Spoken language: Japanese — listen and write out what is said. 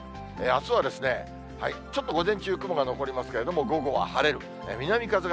あすはですね、ちょっと午前中、雲が残りますけれども、午後は晴れる。